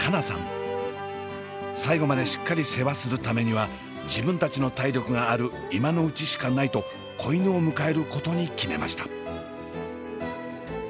最後までしっかり世話するためには自分たちの体力がある今のうちしかないと子犬を迎えることに決めました。